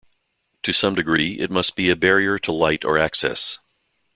To some degree, it must be a barrier to light or access.